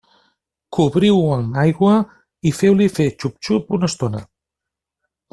Cobriu-ho amb aigua i feu-li fer xup-xup una estona.